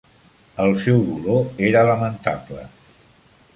El seu dolor era lamentable.